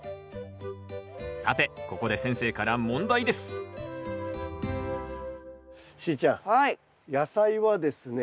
さてここで先生から問題ですしーちゃん野菜はですね